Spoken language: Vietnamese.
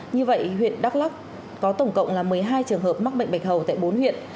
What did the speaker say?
như vậy huyện đắk lắc có tổng cộng là một mươi hai trường hợp mắc bệnh bạch hầu tại bốn huyện